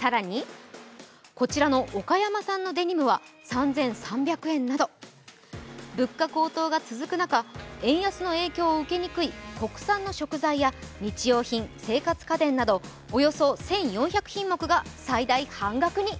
更にこちらの岡山産のデニムは３３００円など、物価高騰が続く中、円安の影響を受けにくい国産の食材や生活家電などおよそ１４００品目が最大半額に。